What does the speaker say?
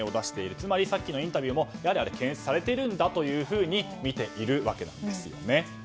つまりさっきのインタビューもやはりあれは検閲されているんだとみているわけですね。